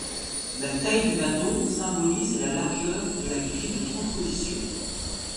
La taille du bâton symbolise la largeur de la grille de transposition.